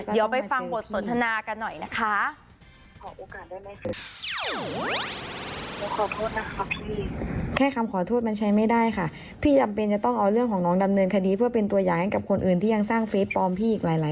เดี๋ยวไปฟังบทสนทนากันหน่อยนะคะ